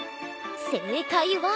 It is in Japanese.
正解は。